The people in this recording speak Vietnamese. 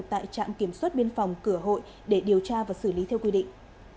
tại trạm kiểm soát biên phòng cửa hội để điều tra và xử lý theo quy định